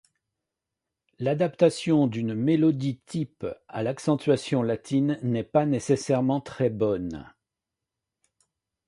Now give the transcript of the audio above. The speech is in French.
L'adaptation d'une mélodie-type à l'accentuation latine n'est pas nécessairement très bonne.